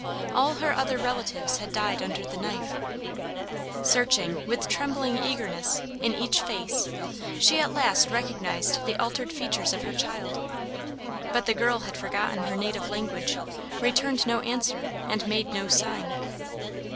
All her other relatives had died under the knife. Searching, with trembling eagerness, in each face, she at last recognized the altered features of her child. But the girl who had forgotten her native tongue, returned no answer, and made no sign.